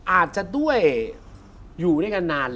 อาจจะด้วยอยู่ด้วยกันนาน